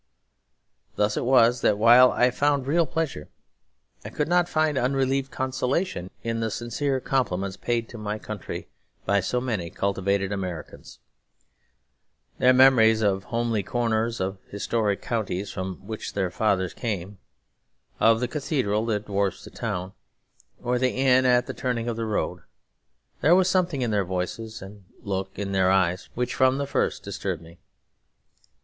Thus it was that while I found real pleasure, I could not find unrelieved consolation in the sincere compliments paid to my country by so many cultivated Americans; their memories of homely corners of historic counties from which their fathers came, of the cathedral that dwarfs the town, or the inn at the turning of the road. There was something in their voices and the look in their eyes which from the first disturbed me.